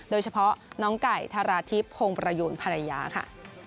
โดยเฉพาะน้องไก่ธาราทิพย์พงประยูนภรรยาค่ะ